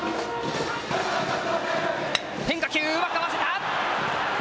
変化球、うまく合わせた。